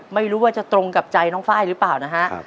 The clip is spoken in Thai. ไม่รู้ว่าจะตรงกับใจน้องไฟล์หรือเปล่านะฮะ